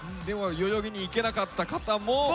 では代々木に行けなかった方も。